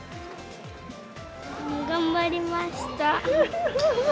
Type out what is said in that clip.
頑張りました。